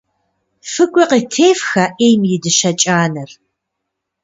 ФыкӀуи къытефх, а Ӏейм и дыщэ кӀанэр!